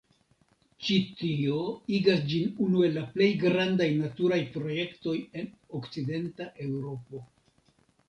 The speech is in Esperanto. Ĉi tio igas ĝin unu el la plej grandaj naturaj projektoj en Okcidenta Eŭropo.